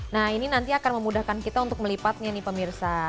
nah ini nanti akan memudahkan kita untuk melipatnya nih pemirsa